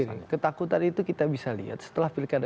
jadi begini ketakutan itu kita bisa lihat setelah pilihan adki